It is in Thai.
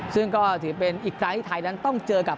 ซึ่งก็ถือเป็นอีกครั้งที่ไทยนั้นต้องเจอกับ